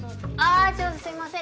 あちょっとすいません